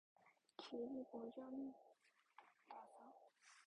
길이 보전하세